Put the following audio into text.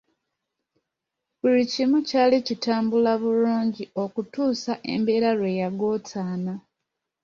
Buli kimu kyali kitambula bulungi okutuusa embeera lwe yagootaana.